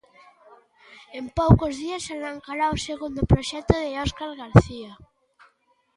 En poucos días arrancará o segundo proxecto de Óscar García.